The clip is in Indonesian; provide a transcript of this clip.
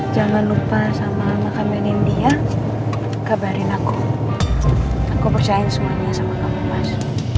jangan lupa sama makanan india kabarin aku aku percaya semuanya sama kamu mas